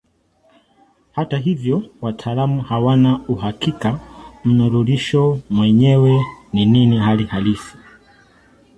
Hata hivyo wataalamu hawana uhakika mnururisho mwenyewe ni nini hali halisi.